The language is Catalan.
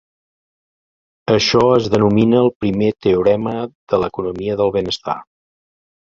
Això es denomina el primer teorema de l'economia del benestar.